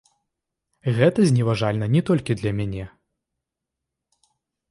Гэта зневажальна не толькі для мяне.